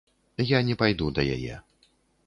Я не пайду да яе.